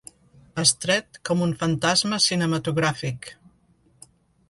Estret com un fantasma cinematogràfic.